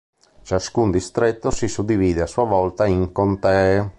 Ciascuno distretto si suddivide a sua volta in contee.